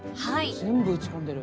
全部うちこんでる。